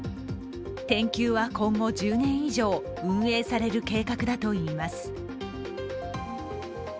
「天宮」は今後１０年以上運営される計画だということです。